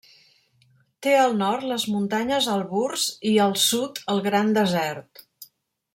Té al nord les muntanyes Elburz i al sud el Gran Desert.